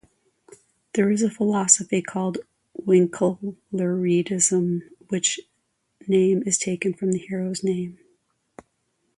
There is a philosophy called "Winkelriedism", which name is taken from the hero's name.